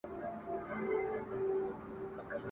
تر ابده پر تا نوم د ښکار حرام دی ..